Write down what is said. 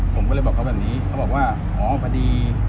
ผมก็เลยบอกเขาแบบนี้